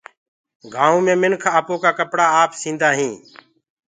گآئونٚ مي منک آپو ڪآ ڪپڙآ آپ سيندآ هينٚ۔